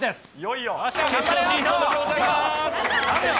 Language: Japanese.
いよいよ。